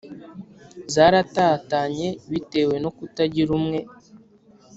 zaratatanye bitewe no kutagira umwe.